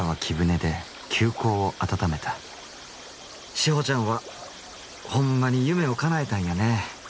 志歩ちゃんはほんまに夢を叶えたんやね。